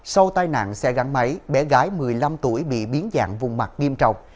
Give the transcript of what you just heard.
sau tai nạn xe gắn máy bé gái một mươi năm tuổi bị biến dạng vùng mặt nghiêm trọng